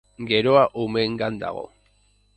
Geroa umeengan dago.